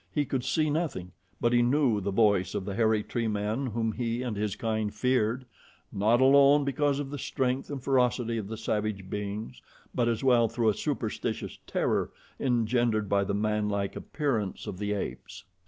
He could see nothing, but he knew the voice of the hairy tree men whom he and his kind feared, not alone because of the strength and ferocity of the savage beings, but as well through a superstitious terror engendered by the manlike appearance of the apes.